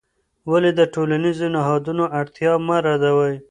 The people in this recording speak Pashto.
ولې د ټولنیزو نهادونو اړتیا مه ردوې؟